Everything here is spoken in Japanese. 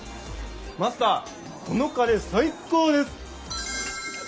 マスターこのカレー最高です！